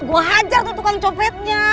gue hajar tutupan copetnya